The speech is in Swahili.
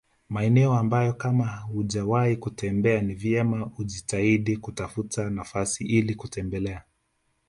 Maeneo ambayo kama hujawahi kutembelea ni vyema ukajitahidi kutafuta nafasi ili kutembelea